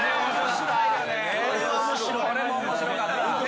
これも面白かった。